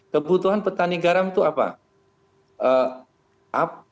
kebutuhan petani garam itu apa